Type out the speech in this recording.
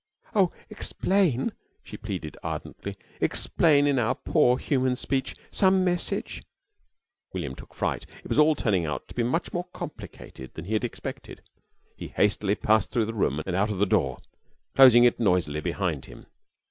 "Oh, explain," she pleaded, ardently. "Explain in our poor human speech. Some message " William took fright. It was all turning out to be much more complicated than he had expected. He hastily passed through the room and out of the door, closing it noisily behind him.